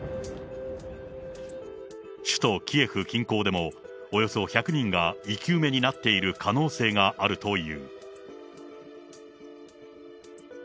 首都キエフ近郊でも、およそ１００人が生き埋めになっている可能性があるという。